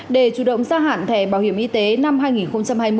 để chủ động gia hạn thẻ bảo hiểm y tế năm hai nghìn hai mươi